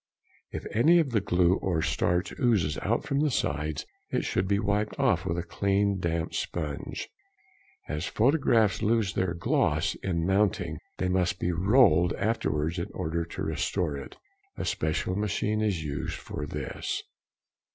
If any of the glue or starch oozes out from the sides, it should be wiped off with a clean damp sponge. As photographs lose their gloss in mounting, they must be rolled afterwards in order to restore it. A special machine is used for this.